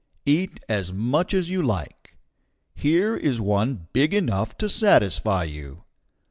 Eat as much as you like. Here is one big enough to satisfy you.